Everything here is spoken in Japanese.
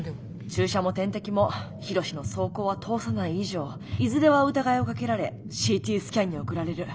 注射も点滴も緋炉詩の装甲は通さない以上いずれは疑いをかけられＣＴスキャンに送られる。